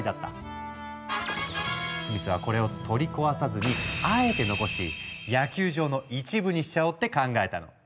スミスはこれを取り壊さずにあえて残し野球場の一部にしちゃおうって考えたの。